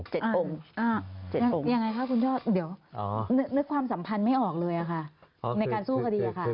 ยังไงคะคุณยอดเดี๋ยวนึกความสัมพันธ์ไม่ออกเลยค่ะในการสู้คดีอะค่ะ